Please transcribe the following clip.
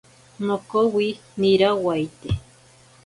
Nokowi nirawaite.